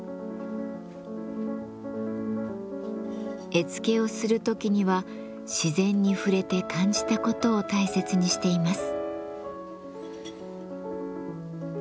絵付けをする時には自然に触れて感じたことを大切にしています。